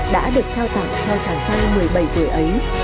đã được trao tặng cho chàng trai một mươi bảy tuổi ấy